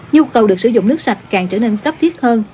nhu cầu được sử dụng nước sạch càng trở nên cấp thiết hơn